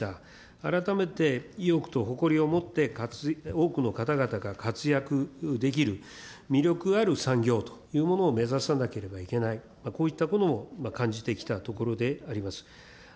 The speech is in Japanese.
改めて意欲と誇りを持って、多くの方々が活躍できる、魅力ある産業というものを目指さなければいけない、こういったことも感じてきたところであります。